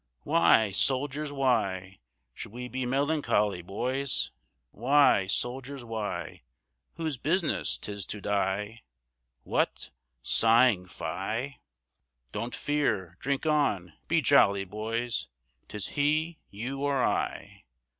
Why, soldiers, why, Should we be melancholy, boys? Why, soldiers, why? Whose business 'tis to die! What, sighing? fie! Don't fear, drink on, be jolly, boys! 'Tis he, you or I!